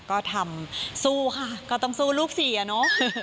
ก็ทำสู้ค่ะก็ต้องสู้ลูกเสียเนอะ